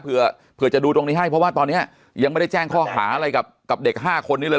เผื่อจะดูตรงนี้ให้เพราะว่าตอนนี้ยังไม่ได้แจ้งข้อหาอะไรกับเด็ก๕คนนี้เลย